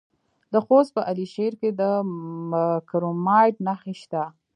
د خوست په علي شیر کې د کرومایټ نښې شته.